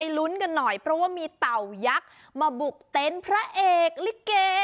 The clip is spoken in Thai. ลุ้นกันหน่อยเพราะว่ามีเต่ายักษ์มาบุกเต็นต์พระเอกลิเก